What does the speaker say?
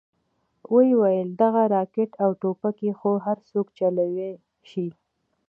ويې ويل دغه راکټ او ټوپکې خو هرسوک چلوې شي.